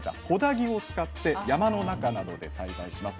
木を使って山の中などで栽培します。